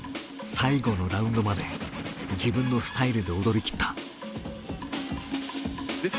最後のラウンドまで自分のスタイルで踊りきった。